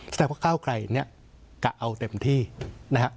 แสดงว่าก้าวไกลเนี่ยกะเอาเต็มที่นะฮะ